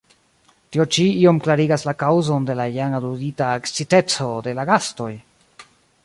Tio ĉi iom klarigas la kaŭzon de la jam aludita eksciteco de la gastoj!